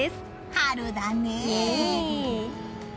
春だね。